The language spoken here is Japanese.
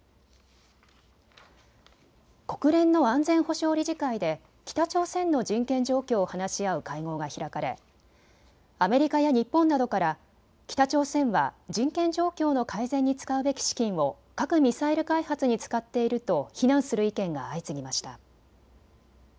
国連の安全保障理事会で北朝鮮の人権状況を話し合う会合が開かれアメリカや日本などから北朝鮮は人権状況の改善に使うべき資金を核・ミサイル開発に使っていると非難する意見が相次ぎました。